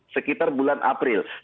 sekitar bulan april